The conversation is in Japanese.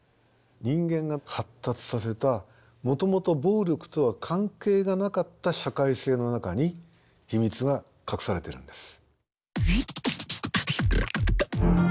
人間が発達させたもともと暴力とは関係がなかった社会性の中に秘密が隠されているんです。